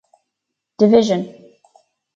Division.